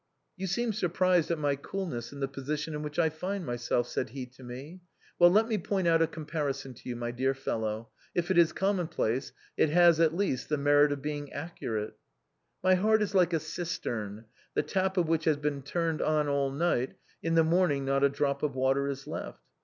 * You seem surprised at my coolness in the position in which I find myself,' said he to me, ' well, let me point out a comparison to you, my dear fellow, if it is common place it has, at least, the merit of being accurate. My heart is like a cistern the tap of which has been turned on all night, in the morning not a drop of water is left.